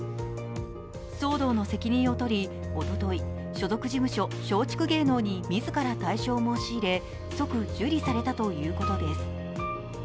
騒動の責任をとり、おととい所属事務所、松竹芸能に自ら退所を申し入れ即受理されたということです。